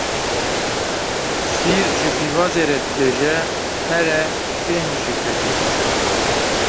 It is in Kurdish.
Sîr ji pîvazê re dibêje here bêhn ji te tê.